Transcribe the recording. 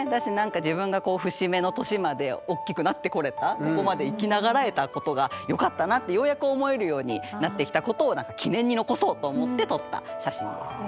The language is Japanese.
自分が節目の年までおっきくなってこれたここまで生き長らえたことがよかったなってようやく思えるようになってきたことを記念に残そうと思って撮った写真です。